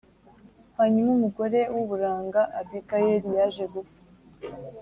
Hanyuma umugore w uburanga Abigayili yaje gupfa